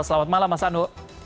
selamat malam mas anu